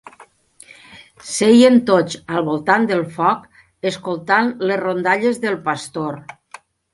Sèiem tots al voltant del foc escoltant les rondalles del pastor.